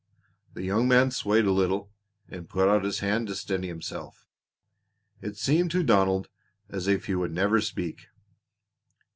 The young man swayed a little and put out his hand to steady himself. It seemed to Donald as if he would never speak.